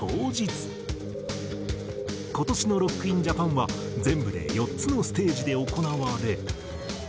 今年の「ＲＯＣＫＩＮＪＡＰＡＮ」は全部で４つのステージで行われ。